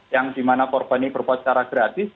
yang dimana korban ini berbuat secara gratis